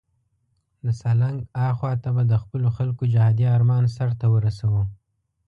د سالنګ اخواته به د خپلو خلکو جهادي آرمان سرته ورسوو.